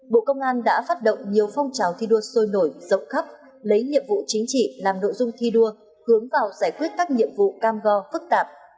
bộ công an đã phát động nhiều phong trào thi đua sôi nổi rộng khắp lấy nhiệm vụ chính trị làm nội dung thi đua hướng vào giải quyết các nhiệm vụ cam go phức tạp